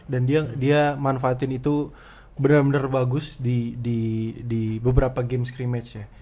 dan dia manfaatin itu bener bener bagus di beberapa game scrimmage ya